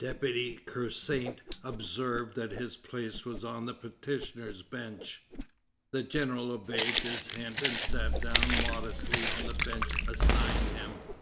Deputy Kersaint observed that his place was on the petitioners' bench. The general obeyed this hint and sat down modestly on the bench assigned him.